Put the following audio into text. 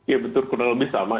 ya betul kurang lebih sama